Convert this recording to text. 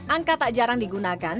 angka tak jarang digunakan